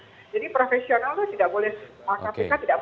jadi profesional itu tidak boleh